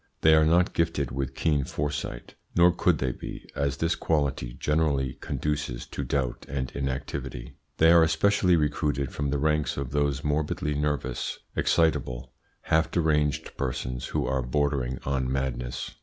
They are not gifted with keen foresight, nor could they be, as this quality generally conduces to doubt and inactivity. They are especially recruited from the ranks of those morbidly nervous, excitable, half deranged persons who are bordering on madness.